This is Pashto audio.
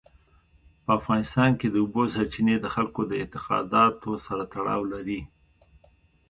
په افغانستان کې د اوبو سرچینې د خلکو د اعتقاداتو سره تړاو لري.